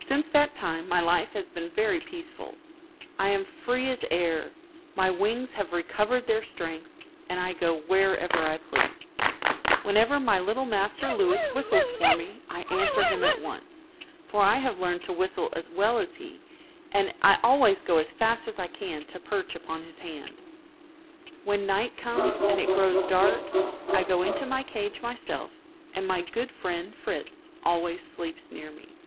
Since that time my life has been very peaceful. I am free as air, my wings have recovered their strength, and I go wherever I please. Whenever my little master Louis whistles for me I answer him at once, for I have learned to whistle as well as he, and I always go as fast as I can to perch upon his hand. [Illustration: "I GO INTO MY CAGE."] When night comes, and it grows dark, I go into my cage myself, and my good friend Fritz always sleeps near me.